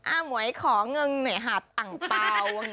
อ้าหมอยของเงินใหญ่ต่างเตา